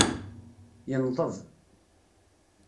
Yenḍeb.